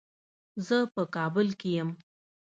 زه په کابل کې یم.